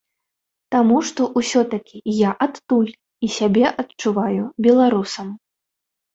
Таму што ўсё-такі я адтуль і сябе адчуваю беларусам.